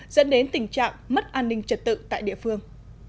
dẫn đến tình trạng mất an ninh trật tự tại địa phương